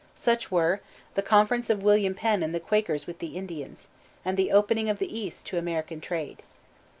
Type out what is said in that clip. Such were: the conference of William Penn and the Quakers with the Indians, and the opening of the East to American trade.